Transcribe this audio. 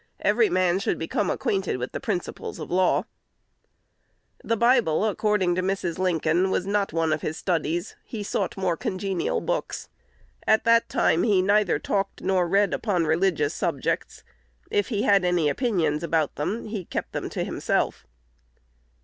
Every man should become acquainted of the principles of law." The Bible, according to Mrs. Lincoln, was not one of his studies: "he sought more congenial books." At that time he neither talked nor read upon religious subjects. If he had any opinions about them, he kept them to himself.